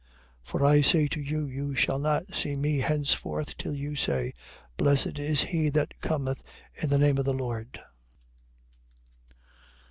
23:39. For I say to you, you shall not see me henceforth till you say: Blessed is he that cometh in the name of the Lord.